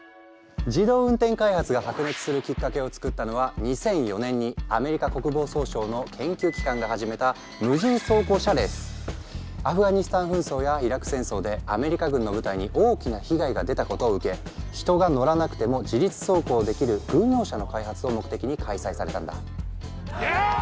自動運転開発が白熱するきっかけを作ったのは２００４年にアメリカ国防総省の研究機関が始めたアフガニスタン紛争やイラク戦争でアメリカ軍の部隊に大きな被害が出たことを受け人が乗らなくても自律走行できる軍用車の開発を目的に開催されたんだ。